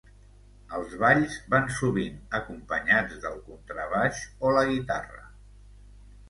Els balls van sovint acompanyats del contrabaix o la guitarra.